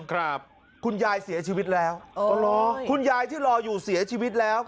คุณยายเสียชีวิตแล้วอ๋อเหรอคุณยายที่รออยู่เสียชีวิตแล้ว